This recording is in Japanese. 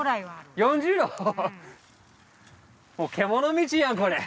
もう獣道やんこれ！